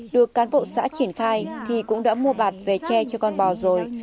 được cán bộ xã triển khai thì cũng đã mua bạc về che cho con bò rồi